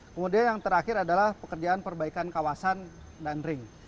kemudian yang terakhir adalah pekerjaan perbaikan kawasan dan ring